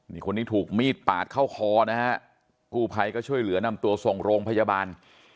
นี่คนนี้ถูกมีดปาดเข้าคอนะฮะกู้ภัยก็ช่วยเหลือนำตัวส่งโรงพยาบาล